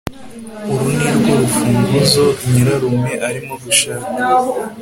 uru nirwo rufunguzo nyirarume arimo gushaka